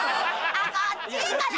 あっこっちかな？